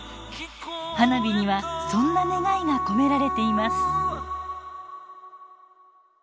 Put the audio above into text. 花火にはそんな願いが込められています。